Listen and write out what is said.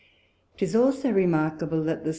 'Tis also remarkable, that the S.